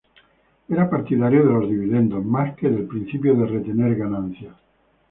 Era partidario de los dividendos, más que del principio de retener ganancias.